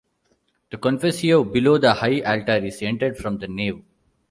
The confessio below the high altar is entered from the nave.